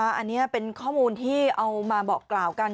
อันนี้เป็นข้อมูลที่เอามาบอกกล่าวกัน